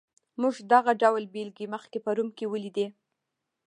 موږ دغه ډول بېلګې مخکې په روم کې ولیدلې.